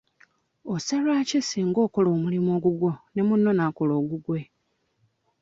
Osalwa ki singa okola omulimu ogugwo ne munno n'akola ogugwe?